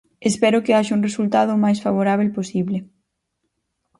Espero que haxa un resultado o máis favorábel posible.